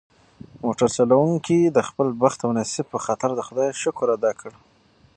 موټر چلونکي د خپل بخت او نصیب په خاطر د خدای شکر ادا کړ.